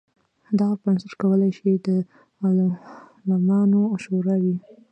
دغه بنسټ کولای شي د عالمانو شورا وي.